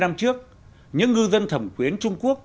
bốn mươi năm trước những ngư dân thẩm quyến trung quốc